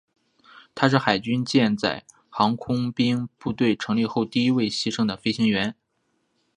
他是海军舰载航空兵部队成立后第一位牺牲的飞行员。